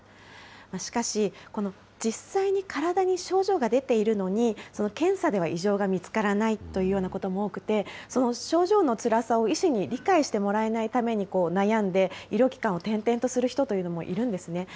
しかし、この実際に体に症状が出ているのに検査では異常が見つからないというようなことも多くて、その症状のつらさを医師に理解してもらえないために悩んで、医療機関を転々とする人というのもいるんですね。